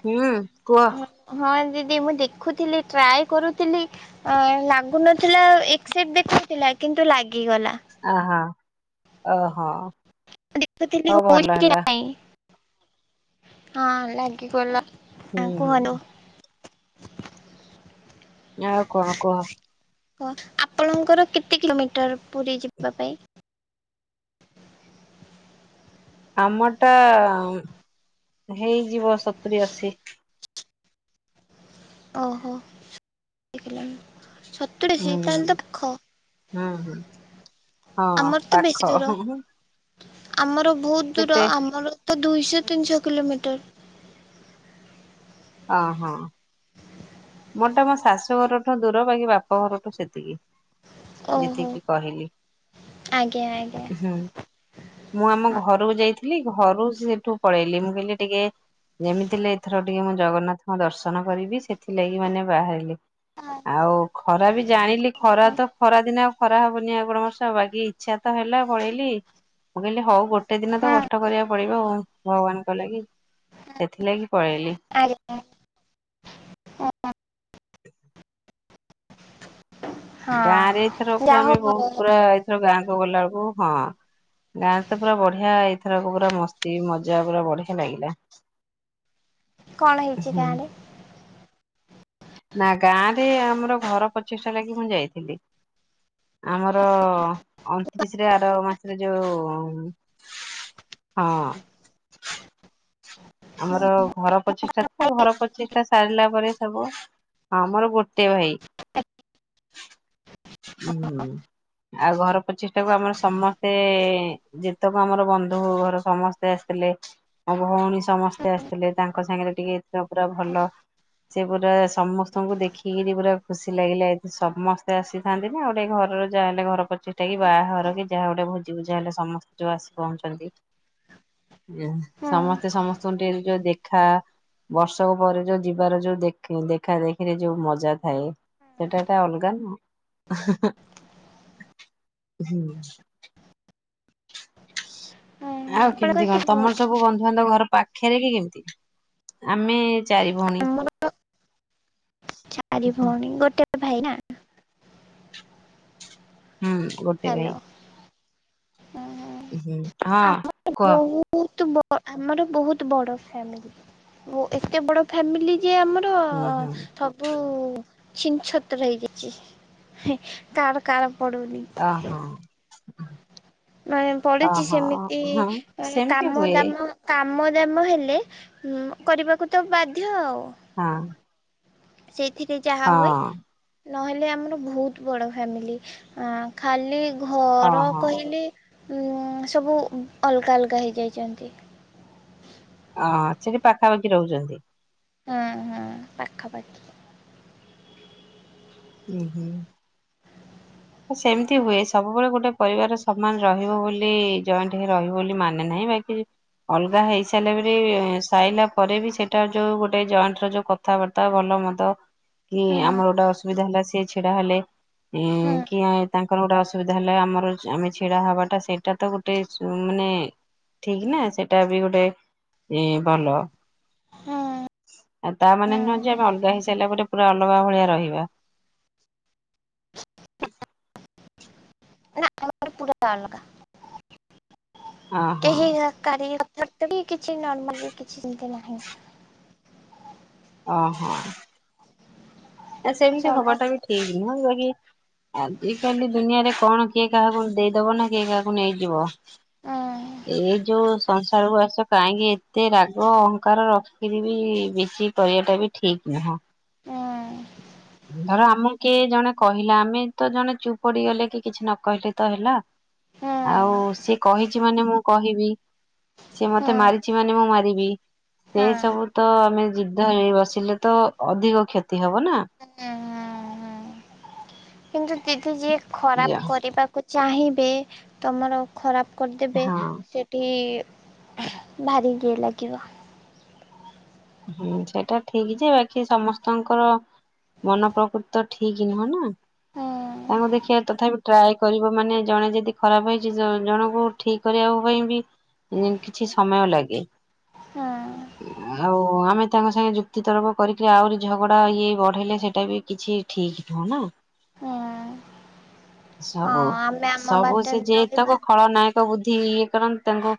ହୁଁ କୁହ? ହଁ ଦିଦି ମୁଁ ଦେଖୁଥିଲି ଟ୍ରାଏ କରୁଥିଲି ଲାଗୁନଥିଲା ଏସେପ୍ଟ ଦେଖୁଥିଲା କିନ୍ତୁ ଲା ଅ ହୋ, ଓ ହୋ, ଦେଖୁଥିଲି ହଉଛି କି ନାଇଁ ହଁ ଲାଗି ଗଲା। ହୁଁ ହୁଁ ଆଉ କଣ କୁହ? ହଁ ଆପଣଙ୍କର କେତେ କିଲୋମିଟର ପୁରୀ ଯିବା ପାଇଁ? ଆମ ଟା ହେଇଯିବ ସତୁରୀ ଅଶୀ ଓହୋ ଲାନୀ ସତୁରିଶୀ ହୁଁ ତାହେଲେ ତ ଖ ହୁଁ ହୁଁ ହଁ ଆମର ତ ବେଶୀ ପାଖ ଦୂର ଆମର୍ ବହୁତ ଦୂର କେତେ ଆମର ଦୁଇଶ ତିନଶ କିିଲୋମିଟର ଅ ହଁ ମୋ ଟା ମୋ ଶାଶୁ ଘରଠୁ ଦୂର ବାକି ବାପ ଘରଠୁ ସେତିକି। ଓହୋ। ଯେତିକି କହିଲି ଆଜ୍ଞା ଆଜ୍ଞା ହୁଁ ମୁଁ ଆମ ହଁ ଘରକୁ ଯାଇିକି ଘରୁ ସେଠୁ ପଳେଇଲି ମୁଁ କହିଲି ଟିକେ ଯେମିତି ଏଥର ଟିକେ ମୁଁ ଜଗନ୍ନାଥଙ୍କ ଦର୍ଶନ କରିବି ସେ ଥିଲା କି ମାନେ ବାହାରିଲି। ଆଉ ଖରା ବି ଜାଣିଲି ଖରା ତ ଖରା ଦିନ ଆଉ ଖରା ହବନି ଆଉ କଣ ବର୍ଷ ହବ କି ବ ଇଚ୍ଛା ତ ହେଲା ପଳେଇଲି ମୁଁ କହିଲି ହଉ। ଗୋଟେ ଦିନ ତ ହଁ କଷ୍ଟ କରିବାକୁ ପଡିବ ଆଉ ଭଗବାନ କଲେ କି ସେଥିଲାଗି। ପଳେଇଲି ଆଜ୍ଞା ଓ [inaudible] ଗାଁ ରେ ହଁ। ଏଥର ପରେ ଯାହା ହଉ ଆମେ ଭଲ ବହୁତ ପୁରା ଏଇଥର ଗାଁ ଗଲା ବେଳକୁ ହଁ ଗାଁରେ ତ ପୁରା ବଢିଆ ଏଇଥରକୁ ପୁରା ମସ୍ତି ମଜା ପୁରା ବଢିଆ ଲାଗିଲା। କଣ ହେଇଛି ହୁଁ ଗାଁ ରେ ନା ଗାଁ ରେ ଆମର ଘର ପ୍ରଚେଷ୍ଟା ଲାଗି ମୁଁ ଯାଇଥିଲି। ଆମର ଅଣତିରିଶ ରେ ଆର ମା ସେ ଯୋଉଉ ହଁ ଆମର ଘର ପ୍ରଚେଷ୍ଟା ଆ ସେ ଘର ପ୍ରଚିଷ୍ଟା ସାରିଲା ପରେ ବ ହଁ ଆମର ଗୋଟେ ଭାଇ ହ ୁ ଆଉ ଘର ପ୍ରଚିଷ୍ଟା ଟାକୁ ଆମର ସମସ୍ତେ ଯେତକ ଆମର ବନ୍ଧୁ ଘର ସମସ୍ତେ ଆସିଥିଲେ ମୋ ଭଉଣୀ ସମସ୍ତେ ଆସିଥିଲେ ତାଙ୍କ ସାଙ୍ଗରେ ଟିକେ ଏଥି ପୁରା ଭଲ ସେ ପୁରା ସମସ୍ତଙ୍କୁ ଦେଖିକି ପୁରା ଖୁସି ଲାଗିଲା ଏ ସମସ୍ତେ ଆସିଥାନ୍ତି ନା ଗୋଟେ ଘରର ଯାହା ହେଲେ ଘର ପ୍ରାଚିଷ୍ଟ କି ବାହାଘର କି ଯାହା ଗୋଟେ ଭୋଜି ଭୋଜା ହେଲେ ସମସ୍ତେ ଯୋଉ ଆସି ପହୁଛନ୍ତି ହୁଁ। ସମସ୍ତେ ସମସ୍ତେ ସଣ୍ଡେ ଯୋଉ ଦେଖା ବର୍ଷକ ପରେ ଯୋଉ ଯିବାର ଯୋଉ ଦେଖ ଦେଖା ଦେଖିରେ ଯୋଉ ମଜା ଥାଏ। ସେଟା ଟା ଅଲଗା ନା ହୁଁ ଓହୋ ଆଉ ଆପଣଙ୍କର କେମିତି କଣ କେତେ ତମର ଭଉଣୀ? ସବୁ ବନ୍ଧୁବାନ୍ଧବ ଘର ପା ପାଖେରେ କି କେମିତି ଆମେ ଚାରି ଭଉଣୀ ଆମର ଚାରି ଭଉଣୀ ଗୋଟେ ଭାଇନ ଆ ହୁଁ ଗୋଟେ ଭାଇ। ଓହୋ ହୁଁ ହଁ କୁଅ ଆ ଆମର ବହୁତ ବଡ ଫାମିଲି ଓ ଏତେ ବଡ ଫାମିଲି ଯେ ଆମର ହୁଁ ହୁଁ ସବୁ ଛିନ ଛାତ୍ର ହେଇଯାଇଛି କାହାର କାହାର ପଡୁନି ଓ ହୋ ମାନେ ପଡୁଛି ସେମିତି ହଁ ସେମିତି କାମ ହୁଏ ଦାମ କାମ ଆମ ଦାମ ହେଲେ କରିବାକୁ ତ ବାଧ୍ୟ ଆଉ ହଁ ସେ ସେଥିରେ ଯାହା ହୁଏ ହଁ ନହେଲେ ଆମର ବହୁତ ବଡ଼ ଫ୍ୟାମିଲି ଆଁ ଖାଲି ଘର ଓହୋ। କହିଲେ ସବୁ ଅଲଗା ଅଲଗା ହେଇଯାଇଛନ୍ତି ଅ ସେଠି ପାଖାପାଖି ରହୁଛନ୍ତି ହୁଁ ହୁଁ ପାଖାପାଖି ହୁଁ ହୁଁ ସେମିତି ହୁଏ ସବୁବେଳେ ଗୋଟେ ପରିବାର ସମାନ ରହିବ ବୋଲି ଜଏଣ୍ଟ ହେ ରହିବ ବୋଲି ମାନେ ନାହିଁ ବାକି ଅଲଗା ହେଇସାରିଲା ପରେ ସାଇଲା ପରେ ବି ସେଟା ଯୋଉ ଗୋଟେ ଜଏଣ୍ଟ ର ଯୋଉ କଥାବାର୍ତ୍ତା ଭଲ ମଦ କି ହୁଁ ଆମର ଗୋଟେ ଅସୁବିଧା ହେଲା। କିଏ ଛିଡ଼ା ହେଲେ ହୁଁ କାହିଁ ତାଙ୍କର ଗୋଟେ ଅସୁବିଧା ହେଲା ଆମର ଆମେ ଛିଡା ହେବାଟା ସେଇଟା ତ ଗୋଟେ ମାନେ ଠିକ ନା ସେଇଟା ବି ଗୋଟେ ଏ ଭଲ ହୁଁ ଆଉ ତା ହୁଁ ମାନେ ନୁହଁ ଯେ ଆମେ ଅଲଗା ହେଇ ସାରିଲା ପାରେ ପୁରା ଅଲଗା ଭଳିଆ ରହିବା ନା ଆମ ପୁରା ଅଲଗା ଓହୋ କେହି କାହାରି ଯୋଉଟାକି କିଛି ନର୍ମାଲ ବି କିଛି ସେମିତି ନାହିଁ ଓହୋ ଏ ସେମିତି ହବା ଟା ବି ସମସ୍ତେ ଠିକ୍ ନୁହଁ ଯେ ଆଜିକାଲି ଦୁନିଆରେ କଣ କିଏ କାହାକୁ ଦେଇଦବ ନା କିଏ କାହାକୁ ନେଇଯିବ ହୁଁ ଏଇ ଯୋଉ ସଂସାରକୁୁ ଆସ କାହିଁକି ଏତେ ରାଗ ଅହଙ୍କାର ରଖିକିରି ବି ବେଶୀ କରିବା ଟା ବି ଠିକ ନୁହଁ। ହୁଁ ହୁଁ ଧର ଆମକୁ କି ଜଣେ କହିଲା ଆମେ ତ ଜଣେ ଚୁପ ପଡିଗଲେ କି କିଛି ନ କହିଲେ ତ ହେଲା। ହୁଁ ଆଉ ସେ କହିି କିଛି ମାନେ ମୁଁ କହିବି। ସିଏ ମୋତେ ମାରିଚି ମାନେ ମୁଁ ମାରିବି, ସେ ହଁ ସବୁ ତ ଆମେ ଯୁଦ୍ଧ ହେଇ ବସିଲେ ତ ଅଧିକ କ୍ଷତି ହେବ ନା। ହଁ, ହଁ, ହଁ କିନ୍ତୁ ଦିଦି ଯିଏ ଯା ଖରାପ କରିବାକୁ ଚାହିଁବେ ତୋମର ଖରାପ କରିଦେବେ ହଁ ସେଠି ଭାରି ଗେ ଲାଗିବ। ହୁଁ ସେଟା ଠିକ ଯେ ବାକି ସମସ୍ତଙ୍କର ମନ ପ୍ରକୃତି ତ ଠିକ ନୁହଁ ନା, ହୁଁ ତାଙ୍କୁ ଦେଖିବା ତଥାପି ଟ୍ରାଏ କରିବ ମାନେ ଜଣେ ଯେଦି ଖରାପ ହେଇଚି, ଜ- ଜଣଙ୍କୁ ଠିକ କରିବା ପାଇଁ ବି ଇଁ- କିଛି ସମୟ ଲାଗେ। ହୁଁ ଆ, ଆଉ ଆମେ ତାଙ୍କ ସାଙ୍ଗେ ଯୁକ୍ତି ତର୍କ କରିକି ଆହୁରି ଝଗଡା ଇଏ ବଢେଇଲେ ସେଟା ବି କିଛି ଠିକ ନୁହଁ ନା। ହୁଁ ହଁ ସବୁ ଆମେ ଆମ ସବୁ ବାଟରେ ସେ ରହିବା ଯେତକ ଖଳନାୟକ ବୁଦ୍ଧି ଇଏ କାରଣ ତାଙ୍କୁ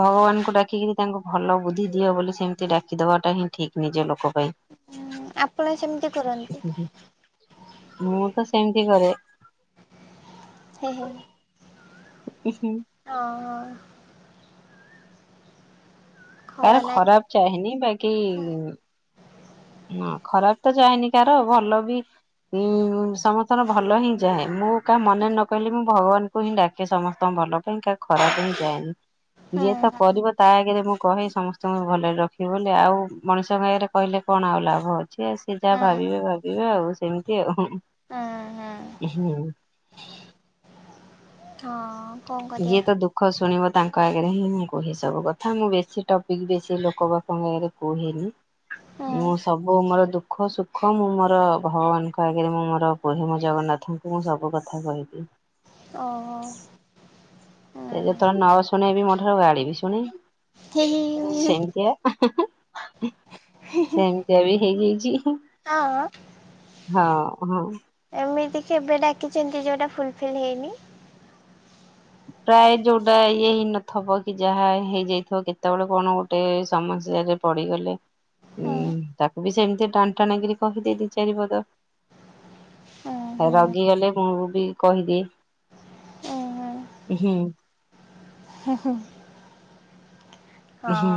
ଭଗବାନଙ୍କୁ ଡାକିକିରି ତାଙ୍କୁ ଭଲ ବୁଦ୍ଧି ଦିଅ ବୋଲି ସେମ ତି ଡାକି ଦବାଟା ହିଁ ଠିକ ନିଜ ଲୋକ ପାଇଁ। ହୁଁ ଆପଣ ସେମତି କରନ୍ତି? ମୁଁ ତ ସେମତି କରେ। ହେ, ହେ, ହେ। ହଁ, ହଁ। ଖଳା କାର ନାଇଁ ଖରାପ ଚାହିଁନି ବାକି ହୁଁ ନା ଖରାପ ତ ଚାହେଁନି କାର ଭଲ ବି ଉଁ, ସମସ୍ତଙ୍କର ଭଲ ହିଁ ଚାହେଁ, ମୁଁ କାହା ମନରେ ନ କହିଲେ ମୁଁ ଭଗବାନଙ୍କୁ ହିଁ ଡାକେ ସମସ୍ତଙ୍କ ଭଲ ପାଇଁ କା ଖରାପ ହିଁ ଚାହେଁନି, ହୁଁ ଯିଏ ତ କରିବ ତା ଆଗରେ ମୁଁ କହେ ସମସ୍ତଙ୍କୁ ଭଲରେ ରଖିବ ବୋଲି, ଆଉ ମଣିଷଙ୍କ ଆଗରେ କହିଲେ କଣ ଆଉ ଲାଭ। ଛି ସେ ଯାହା ହୁଁ ହୁଁ ଭାବିବେ ଭାବ କିଏ ଆଉ ସେମତି ଆଉ ହୁଁ, ହୁଁ ହୁଁ ଉହୁଁ। ହଁ କଣ ଇଏ କରିବା ତ ଦୁଃଖ ଶୁଣିବ ତାଙ୍କ ଆଗରେ ହିଁ କୋଉ ହିସାବ କଥା ମୁଁ ବେଶୀ ଟପିକ୍ ବେଶୀ ଲୋକ ବାକଙ୍କ ଆଗରେ କୁହେନି, ମୁଁ ହୁଁ ସବୁ ମୋର ଦୁଃଖ ସୁଖ ମୁଁ ମୋର ଭଗବାନଙ୍କ ଆଗରେ ମୁଁ ମୋର କୁହେ, ମୋ ଜଗନ୍ନାଥଙ୍କୁ ମୁଁ ସବୁ କଥା କହିବି। ଓ ହୋ। ଏ ଯେତେଳେ ନ ଶୁଣେ ବି ମୋ ଠାରୁ ଗାଳି ବି ଶୁଣେ। ହି ହି ହି ହି ସେମତିଆ। ସେମତିଆ ବି ହେଇଯାଇଚି। ହଁ। ହଁ, ହଁ। ଏମିତି କେବେ ଡାକିଚନ୍ତି ଯୋଉଟା ଫୁଲଫିଲ୍ ହେଇନି? ପ୍ରାୟେ ଯୋଉଟା ଇଏ ହେଇ ନଥବ କି ଯାହା ହେଇଯାଇଥିବ କେତବେଳେ କଣ ଗୋଟେ ସମସ୍ୟାରେ ପଡିଗଲେ ଉଁ, ହୁଁ ତାକୁ ବି ସେମତି ଟାଣି ଟାଣି କିରି କହିଦିଏ ଦି ଚାରି ପଦ, ହୁଁ ହେ ହୁଁ ରଗିଗଲେ ମୁଁ ବି କହିଦିଏ। ହୁଁ ହୁଁ। ହେ ହୋ। ହଁ। ହୁଁ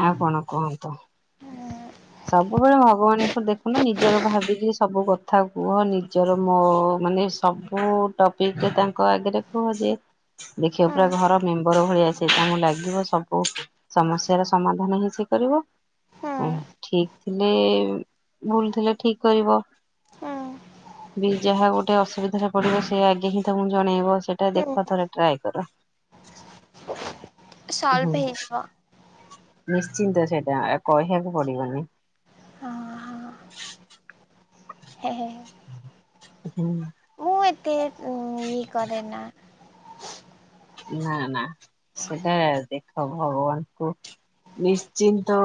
ଆଉ କଣ କୁହନ୍ତୁ? ହୁଁ ସବୁବେଳେ ଭଗବାନଙ୍କ ଦେଖୁନ ନିଜର ଭାବିକି ସବୁ କଥା କୁହ ନିଜର ମୋ ମାନେ ସବୁ ଟପିକ ରେ ତାଙ୍କ ଆଗରେ କୁହ ସେ ଦେଖିବ ପୁରା ଘର ମେମ୍ବର ଭଳିଆ ସେ ତାଙ୍କୁ ଲାଗିବ ସବୁ ସମସ୍ୟାର ସମାଧାନ ହିଁ ସେ କରିବ ହୁଁ ଉଁ ଠିକ ଥିଲେ ଭୁଲ ଥିଲେ ଠିକ କରିବ ହୁଁ ବି ଯାହା ଗୋଟେ ଅସୁବିଧାରେ ପଡିବ ସେ ଆଗେ ହିଁ ତମକୁ ଜଣେଇବ। ସେଟା ହୁଁ ଦେଖ ଥରେ ଟ୍ରାଏ ତା ସଲଭ ହେଇଯିବ। ନିଶ୍ଚିନ୍ତ ସେଇଟା କହିବାକୁ ପଡିବନି। ହଁ ହଁ ହେ ହେ ହେ ହୁଁ ଏତେ ଇଏ କରେନା ନା ନା ସେଟା ଦେଖ ଭଗବାନଙ୍କୁ ନିଶ୍ଚିନ୍ତ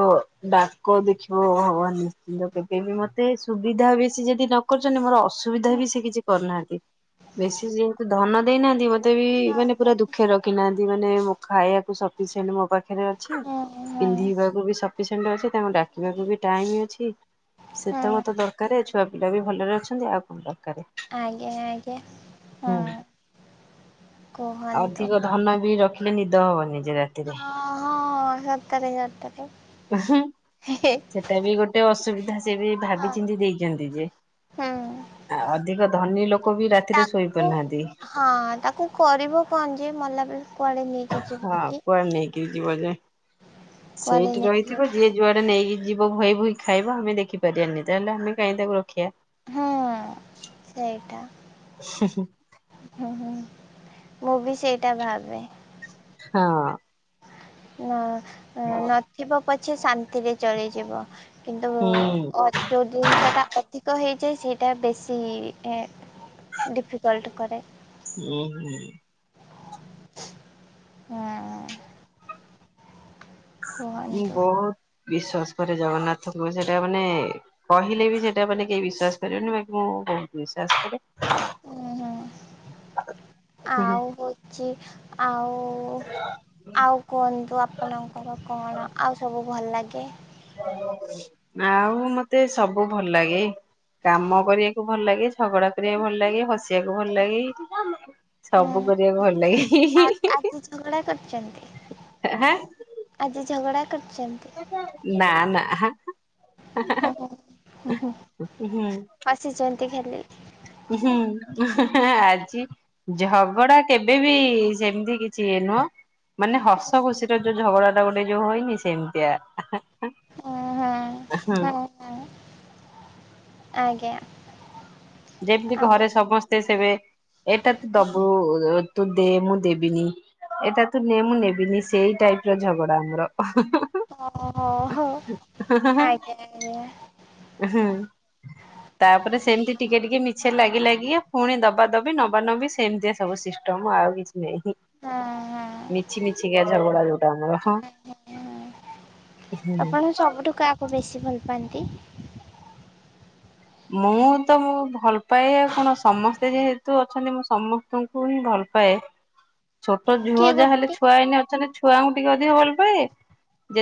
ଡାକ ଦେଖିବ ଭଗବାନ ନିଶ୍ଚିନ୍ତ କେବେ ବି ମତେ ସୁବିଧା ବେଶୀ ଯଦି ନ କରୁଛନ୍ତି ମୋର ଅସୁବିଧା ହଁ ବି ସେ କିଛି କରିୁନାହାନ୍ତି ବେଶୀ ଯେହେତୁ ଧନ ଦେଇନାହାନ୍ତି ମତେ ବି ହଁ ମାନେ ପୁରା ଦୁଃ ଖୀ ରଖୀ ନାହାନ୍ତି ମାନେ ମୋ ଖାଇବାକୁ ସଫିସିଏଣ୍ଟ ମୋ ପାଖରେ ଅଛି ହଁ ହଁ ପିନ୍ଧିବାକୁ ବି ସଫିସିଏଣ୍ଟ ଅଛି ତାଙ୍କୁ ଡାକିବାକୁ ବି ଟାଇମ ଅଛି ସେତ ହଁ ମୋତେ ଦରକାର ଛୁଆ ପିଲା ବି ଭଲରେ ଅଛନ୍ତି ଆଉ କଣ ଦରକାରେ ଆଜ୍ଞା ଆଜ୍ଞା ହୁଁ ହଁ କୁହନ୍ତୁ ଅଧିକ ଧନ ବି ରଖିଲେ ନିଦ ହବନି ଯେ ରାତିରେ ହଁ ହଁ ସତରେ ସତରେ ଉହୁଁ ହେ ହେ ସେଟା ବି ଗୋଟେ ଅସୁବିଧା ଧା ସେ ବି ହଁ ଭାବିଚିନ୍ତି ଦେଇଛନ୍ତି ଯେ ହୁଁ ଆ ଅଧିକ ଧନୀ ଲୋକ ବି ରାତିରେ ଶୋଇ ତାକୁ ପାରୁନାହାନ୍ତି ହଁ ତାକୁ କରିବ କଣ ଯେ ମଲାବେ କୁଆଡେ ନେଇକି ଯିବକି କିଏ ଜିବଯେ ସେଇଠି ନେଇକି ରହିଥିବ ଯିବ ଯିଏ ଯୁଆଡେ ନେଇକି ଯିବ ଭଇ ଭୁହି ଖାଇବ ଆମେ ଦେଖିପାରିବାନି ତାହେଲେ ଆମେ କାହିଁ ତାକୁ ରଖିବା ହଁ ସେଇଟା ହୁଁ ହୁଁ ହଁ ମୁଁ ବି ସେଇଟା ଭାବେ ହଁ ହଁ ଅ ନଥିବ ପଛେ ଶାନ୍ତିରେ ଚଳିଯିବ କିନ୍ତୁ ହୁଁ ଯୋଉ ଜିନିଷ ଟା ଅଧିକ ହେଇ ଯେ ସେଇଟା ବେଶି ଡିଫିକଲଟ କରେ ଉଁ ହୁଁ ହଁ ମୁଁ ବହୁତ ବିଶ୍ଵାସ କରେ ଜଗନ୍ନାଥଙ୍କୁ ସେଟା ମାନେ କହିଲେ ବି ସେଟା ମାନେ କେହି ବିଶ୍ଵାସ କରିବନି ବାକି ମୁଁ ବହୁ ବିଶ୍ଵାସ କରେ ହୁଁ ହୁଁ ହୁଁ ହୁଁ। ଆଉ ହଉଛି। ଆଉ ଆଉ କୁହନ୍ତୁ ଆପଣଙ୍କର କଣ ଆଉ ସବୁ। ଭଲ ଲାଗେ ଆଉ ମତେ ସବୁ ଭଲ ଲାଗେ କାମ କରିବାକୁ ଭଲ ଲାଗେ ଝଗଡା କରିବାକୁ ଭଲ ଲାଗେ ହସିବାକୁ ଭଲ ଲାଗେ ହୁଁ ସବୁ କରିବାକୁ ଭଲ ଲାଗେ ହିଁ ଆ ହିଁ -ଆଜି ଝଗଡା କରିଛନ୍ତି ହାଁ ଆଜି ଝଗଡ଼ା କରିଛନ୍ତି ନା ନା ହା ହା ହା ହୁଁ ହୁଁ ହୁଁ ତେ ଖାଲି ହୁଁ ଆଜି ଝଗଡା କେବେବି ସେମିତି କିଛି ଇ ନୁହଁ ମାନେ ହସ ଖୁସିର ଯୋଉ ଝଗଡା ଟା ଗୋଟେ ଯୋଉ ହଇନି ସେମିତିଆ ହଁ ହଁ ହଁ ଆଜ୍ଞା ଯେମିତି ଆଉ ଘରେ ସମସ୍ତ ତେ ସେବେ ଏଇଟା ତୁ ଓ ଦବୁ ତୁ ଦେ ମୁଁ ଦେବିନି ଏଟା ତୁ ନେ ମୁଁ ନେବିନି ସେଇ ଟାଇପର ଝଗଡା ଆମର ଓୋ ହଉ ଆଜ୍ଞା ଆଜ୍ଞା ତାପରେ ସେମିତି ଟିକେ ଟିକେ ମିଛ ଲାଗି ଲାଗି ପୁଣି ଦବା ଦବି ନବା ନବି ସେମିତିଆ ସବୁ ସିଷ୍ଟମ ଆଉ କିଛି ନାହିଁ ହଁ ହଁ। ମିଛି ମିଛିିକି ଝଗଡା ଯୋଉଟା ଆମର ହଁ ଆଜ୍ଞା ହଁ ଆପଣ ସବୁଠୁ କାହାକୁ ବେଶୀ ଭଲ ପାଆନ୍ତି। ମୁଁ ତ ମୁଁ ଭଲ ପାଏ କଣ ସମସ୍ତେ ଯେହେତୁ ଅଛନ୍ତି ମୁଁ ସମସ୍ତଙ୍କୁ ହିଁ ଭଲ ପାଏ। ଛୋଟ ଝିଅ କିଏ ଯାହା ହେଲେ ଗୋଟେ ଛୁଆନା ତେଣୁ ଛୁଆଙ୍କୁ ଟିକେ ଅଧିକ ଭଲ ପାଏ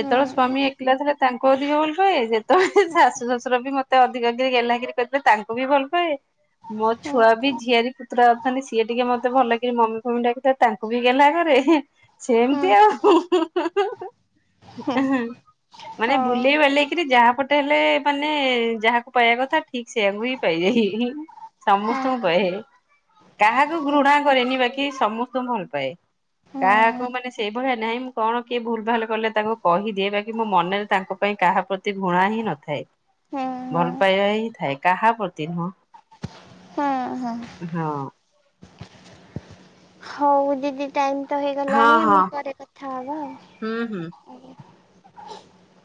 ହୁଁ ହୁଁ ସ୍ଵାମୀ ଏକଲା ଥିଲା ତାଙ୍କୁ ଅଧିକ ଭଲ ପାଏ ଯେତେବେଳେ ଶାଶୁ ଶଶୁର ବି ମତେ ଅଧିକା ଟିକେ ଗେଲ୍ହା କରି କରିଦିଏ ତାଙ୍କୁ ବି ଭଲ ପାଏ ମୋ ହୁଁ ଛୁଆ ବି ଝିଆରି ପୁତୁରା ଅଥାନ୍ତି ସିଏ ଟିକେ ମତେ ଭଲକରି ମମି ଫମି ଡାକିଥାଏ ତାଙ୍କୁ ବି ଗେହ୍ଲା କରେ ହୁଁ ସେମିତି ଆଉ ହୁଁ ହୁଁ ହୁଁ ଆ ହଁ [inaudible] ମାନେ ହଁ ବୁଲେଇ ବଲେଇକରି ଯାହା ପଟେ ହେଲେ ମାନେ ଯାହାକୁ ପାଇବା କଥା ଠିକ ସେଆକୁ ହିଁ ପାଇଯାଇଏନି ହୁଁ ହୁଁ ସମସ୍ତଙ୍କୁ ପାଏ କାହାକୁ ହୁଁ। ଘୃଣା କରେନି ବାକି ସମସ୍ତଙ୍କୁ ଭଲ ପାଏ ହୁଁ କାହାକୁ ହୁଁ ମାନେ ସେଇଭଳିଆ ନାହିଁ ମୁଁ କଣ କିଏ ଭୁଲ ଭାଲ କଲେ ତାଙ୍କୁ କହିଦିଏ ବାକି ମୋ ମନରେ ତାଙ୍କ ପାଇଁ କାହା ପ୍ରତି ଘୃଣା ହିଁ ନଥାଏ। ହୁଁ ଭଲ ପାଇଵ ହି ଥାଏ କାହା ପ୍ରତି ହଁ ହଁ ନୁହଁ। ହଉ ଦିଦି ଟାଇମ୍ ତ ହଁ ହେଇଗଲାଣି ହଁ ଆମେ ପରେ କଥା ହେଵା ହୁଁ ହୁଁ। ଆଉ। [inaudible]